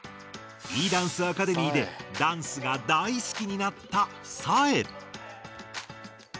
Ｅダンスアカデミーでダンスが大好きになったサエ。